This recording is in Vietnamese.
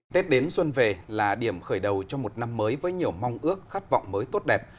tết đến xuân về là điểm khởi đầu cho một năm mới với nhiều mong ước khát vọng mới tốt đẹp